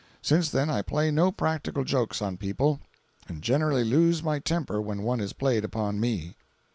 Since then I play no practical jokes on people and generally lose my temper when one is played upon me.